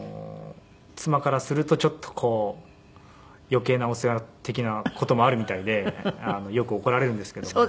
妻からするとちょっとこう余計なお世話的な事もあるみたいでよく怒られるんですけど。